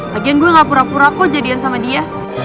lagian gue ga pura pura kok jadian sama dia